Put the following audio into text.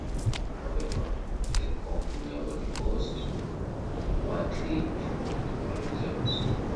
However, the couple never divorced, partly for political reasons.